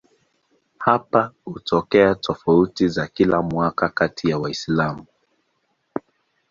Hapa hutokea tofauti za kila mwaka kati ya Waislamu.